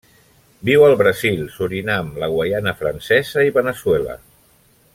Viu al Brasil, Surinam, la Guaiana Francesa i Veneçuela.